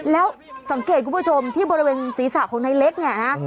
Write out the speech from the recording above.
แล้วสังเกตคุณผู้ชมที่บริเวณศีรษะของนายเล็กเนี่ยนะ